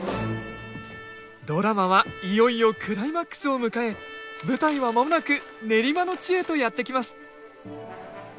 ドラマはいよいよクライマックスを迎え舞台は間もなく練馬の地へとやって来ますさあ始めようか。